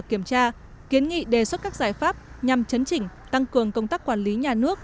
kiểm tra kiến nghị đề xuất các giải pháp nhằm chấn chỉnh tăng cường công tác quản lý nhà nước